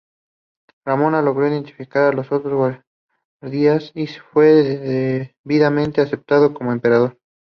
Romano logró identificar a los otros guardias y fue debidamente aceptado como emperador.